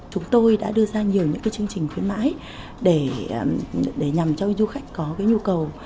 chúng tôi đã đưa ra nhiều những chương trình khuyến mãi để nhằm cho du khách có cái nhu cầu để mua tour